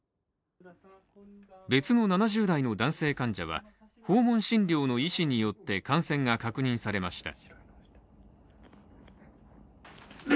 別の７０代の男性患者は訪問診療の医師によって感染が確認されました。